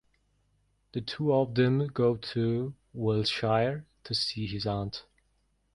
The two of them go to Wiltshire to see his aunt.